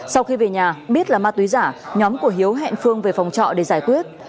sau khi về nhà biết là ma túy giả nhóm của hiếu hẹn phương về phòng trọ để giải quyết